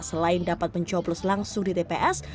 selain dapat mencoblos langsung di tps